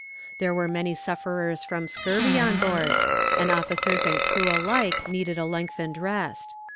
There were many sufferers from scurvy on board, and officers and crew alike needed a lengthened rest.